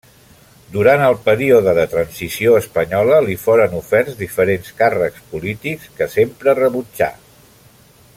Durant el període de transició espanyola, li foren oferts diferents càrrecs polítics, que sempre rebutjà.